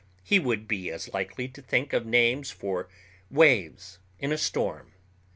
He would be as likely to think of names for waves in a storm.